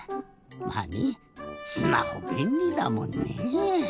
まあねぇスマホべんりだもんね。